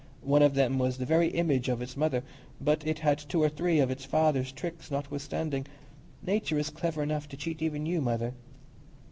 One of them was the very image of its mother, but it had two or three of its father's tricks notwithstanding. Nature is clever enough to cheat even you, Mother."